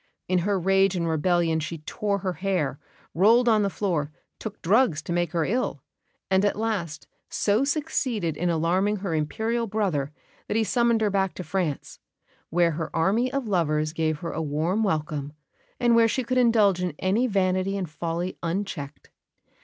In her rage and rebellion she tore her hair, rolled on the floor, took drugs to make her ill; and at last so succeeded in alarming her Imperial brother that he summoned her back to France, where her army of lovers gave her a warm welcome, and where she could indulge in any vanity and folly unchecked.